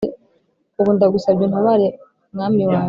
Ubu ndagusabye untabare mwami wanjye